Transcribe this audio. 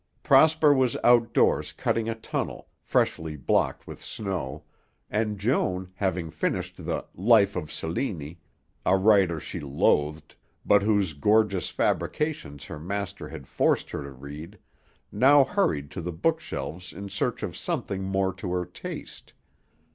Prosper was outdoors cutting a tunnel, freshly blocked with snow, and Joan, having finished the "Life of Cellini," a writer she loathed, but whose gorgeous fabrications her master had forced her to read, now hurried to the book shelves in search of something more to her taste.